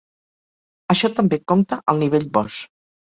Això també compta al nivell "Boss".